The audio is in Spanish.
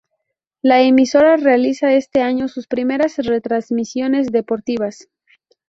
La emisora realiza este año sus primeras retransmisiones deportivas.